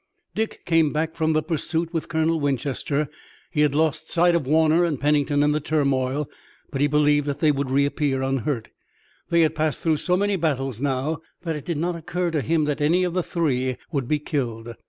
Dick came back from the pursuit with Colonel Winchester. He had lost sight of Warner and Pennington in the turmoil, but he believed that they would reappear unhurt. They had passed through so many battles now that it did not occur to him that any of the three would be killed.